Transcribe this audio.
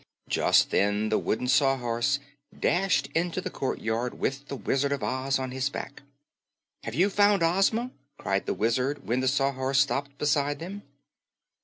Just then the Wooden Sawhorse dashed into the courtyard with the Wizard of Oz on his back. "Have you found Ozma?" cried the Wizard when the Sawhorse stopped beside them.